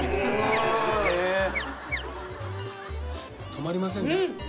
止まりませんね